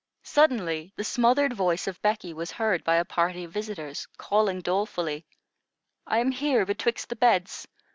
Suddenly the smothered voice of Becky was heard by a party of visitors, calling dolefully: "I am here, betwixt the beds.